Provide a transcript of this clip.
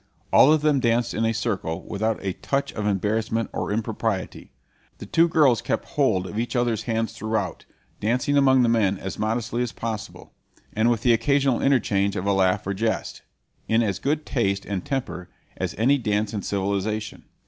All of them danced in a circle, without a touch of embarrassment or impropriety. The two girls kept hold of each other's hands throughout, dancing among the men as modestly as possible, and with the occasional interchange of a laugh or jest, in as good taste and temper as in any dance in civilization.